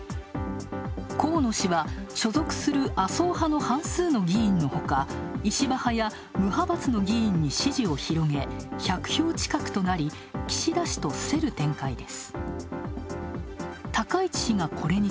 河野氏は所属する麻生派の半数の議員のほか、石破派や無派閥の議員に支持を広げ、１００票近くとなり岸田氏と競る展開です。